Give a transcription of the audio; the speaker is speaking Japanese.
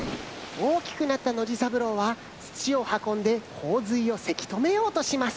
おおきくなったノジさぶろうはつちをはこんでこうずいをせきとめようとします。